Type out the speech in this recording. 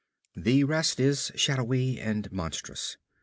The rest is shadowy and monstrous.